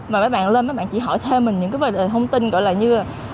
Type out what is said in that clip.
mấy bạn lên mấy bạn chỉ hỏi thêm mình những cái thông tin gọi là như